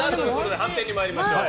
判定に参りましょう。